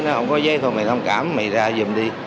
nói không có giấy thôi mày không cảm mày ra giùm đi